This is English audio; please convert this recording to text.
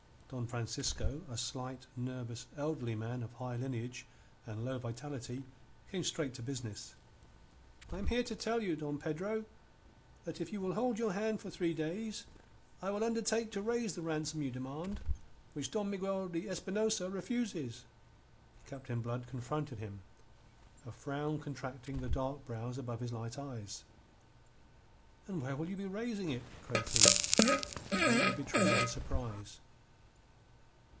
Don Francisco, a slight, nervous, elderly man of high lineage and low vitality, came straight to business. "I am here to tell you, Don Pedro, that if you will hold your hand for three days, I will undertake to raise the ransom you demand, which Don Miguel de Espinosa refuses." Captain Blood confronted him, a frown contracting the dark brows above his light eyes: "And where will you be raising it?" quoth he, faintly betraying his surprise.